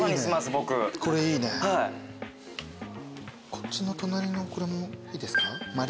こっちの隣のこれもいいですか？